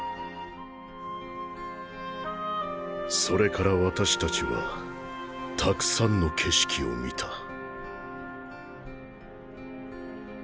それから私たちはたくさんの景色を見た。